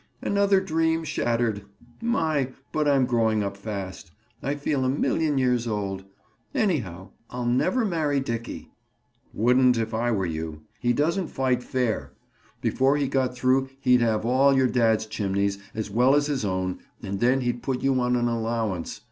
"Another dream shattered! My! but I'm growing up fast. I feel a million years old. Anyhow, I'll never marry Dickie." "Wouldn't if I were you. He doesn't fight fair. Before he got through he'd have all your dad's chimneys, as well as his own, and then he'd put you on an allowance.